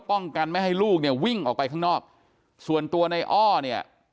ป้องกันไม่ให้ลูกเนี่ยวิ่งออกไปข้างนอกส่วนตัวในอ้อเนี่ย